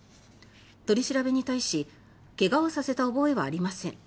取り調べに対し怪我をさせた覚えはありません